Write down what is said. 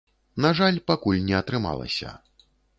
На жаль, пакуль не атрымалася.